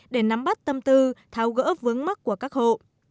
để nắm bắt tâm tư tháo gỡ vướng mắt của các hộ